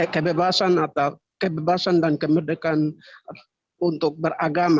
kebebasan atau kebebasan dan kemerdekaan untuk beragama